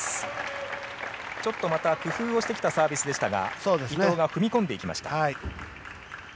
ちょっとまた工夫してきたサービスでしたが伊藤が踏み込んでいきました。